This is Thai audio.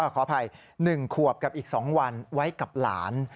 ขออภัย๑ขวบกับอีก๒วันไว้กับหลาน